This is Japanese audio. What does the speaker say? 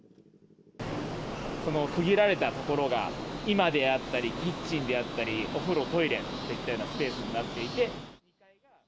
その区切られた所が、居間であったり、キッチンであったり、お風呂、トイレといったようなスペースになっていて。